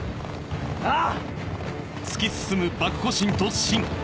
ああ！